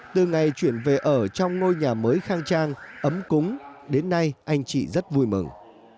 từ ngày chuyển về ở trong ngôi nhà mới khang trang ấm cúng đến nay anh chị rất vui mừng